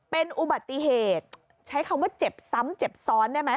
เป็นอุบัติเหตุใช้คำว่าเจ็บซ้ำเจ็บซ้อนได้ไหม